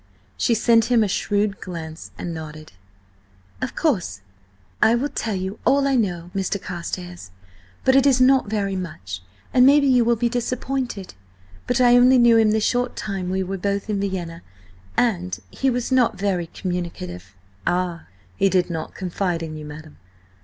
She sent him a shrewd glance, and nodded. "Of course. I will tell you all I know, Mr. Carstares, but it is not very much, and maybe you will be disappointed. But I only knew him the short time we were both in Vienna, and–he was not very communicative." "Ah!–he did not confide in you, madam?"